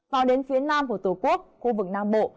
vào đến phía nam của tổ quốc khu vực nam bộ